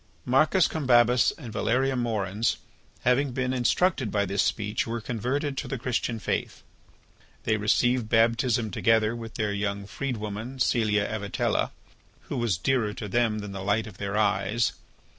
Marcus Combabus and Valeria Moerens, having been instructed by this speech, were converted to the Christian faith. They received baptism together with their young freedwoman, Caelia Avitella, who was dearer to them than the light of their eyes.